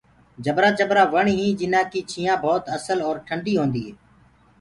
جبرآ جبرآ وڻ هينٚ جنآ ڪي ڇِيآنٚ ڀوت اسل اور ٽنڏي هوندي هي۔